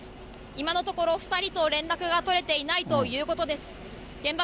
今のところ、２人と連絡が取れていないということです。